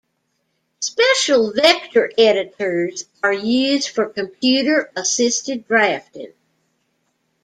Special vector editors are used for computer-assisted drafting.